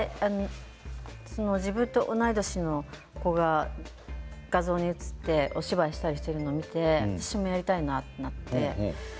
自分と同い年の子が画像に映ってお芝居をしたりしているのを見て私もやりたいなと思って。